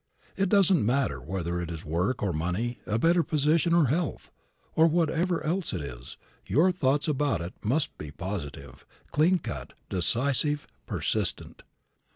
It doesn't matter whether it is work or money, a better position or health, or whatever else it is, your thoughts about it must be positive, clean cut, decisive, persistent.